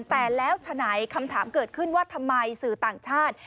แต่แล้วฉะไหนคำถามเกิดขึ้นว่าทำไมสื่อต่างชาติ